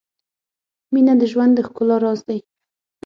• مینه د ژوند د ښکلا راز دی.